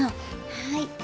はい。